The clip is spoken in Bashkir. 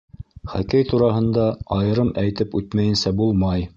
Хоккей тураһында айырым әйтеп үтмәйенсә булмай.